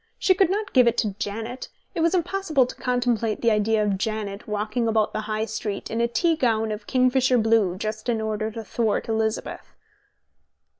She could not give it to Janet: it was impossible to contemplate the idea of Janet walking about the High Street in a tea gown of kingfisher blue just in order to thwart Elizabeth.